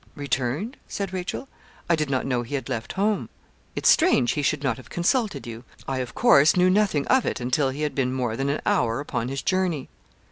'Returned?' said Rachel; 'I did not know he had left home.' 'It's strange he should not have consulted you. I, of course, knew nothing of it until he had been more than an hour upon his journey.'